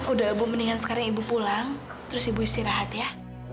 udah ibu mendingan sekarang ibu pulang terus ibu istirahat ya